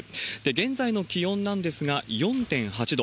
現在の気温なんですが、４．８度。